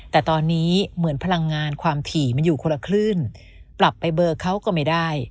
แต่ตอนนี้เหมือนพลังงานความถี่มันอยู่คนละคลื่นปรับไปเบอร์เขาก็ไม่ได้